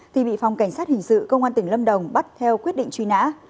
thì bị phòng cảnh sát hình sự công an tỉnh lâm đồng bắt theo quyết định truy nã